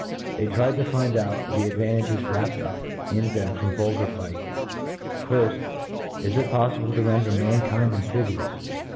they tried to find out the advantages Vf appe4 up in them from vulgar fight. Firjiy Is it poffi* ble to render manldnd amphibious